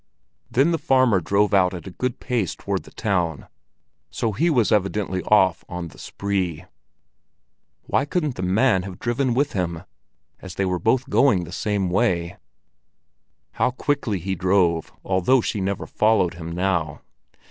Then the farmer drove out at a good pace toward the town, so he was evidently off on the spree. Why couldn't the man have driven with him, as they were both going the same way? How quickly he drove, although she never followed him now.